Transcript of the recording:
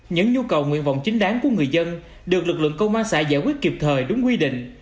những nhu cầu nguyện vọng chính đáng của người dân được lực lượng công an xã giải quyết kịp thời đúng quy định